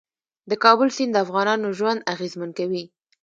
د کابل سیند د افغانانو ژوند اغېزمن کوي.